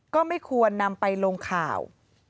ก็ไม่ควรนำไปลงข่าว